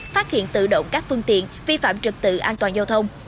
phát hiện tự động các phương tiện vi phạm trực tự an toàn giao thông